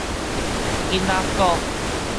囡仔古